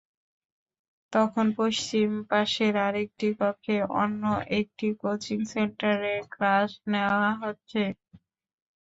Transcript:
তখন পশ্চিম পাশের আরেকটি কক্ষে অন্য একটি কোচিং সেন্টারের ক্লাস নেওয়া হচ্ছে।